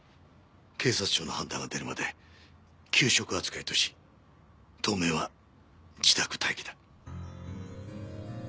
警察庁の判断が出るまで休職扱いとし当面は自宅待機だ。